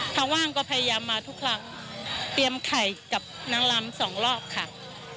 ว่างก็พยายามมาทุกครั้งเตรียมไข่กับนางลำสองรอบค่ะ